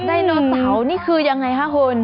ไดโนเสาร์นี่คือยังไงคะคุณ